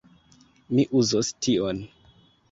Mi uzos tion.